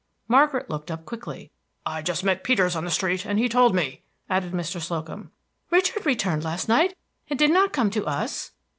Margaret looked up quickly. "I just met Peters on the street, and he told me," added Mr. Slocum. "Richard returned last night, and did not come to us!"